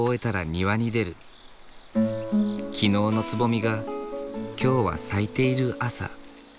昨日のつぼみが今日は咲いている朝。